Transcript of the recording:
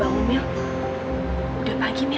aku kita ada di sini ya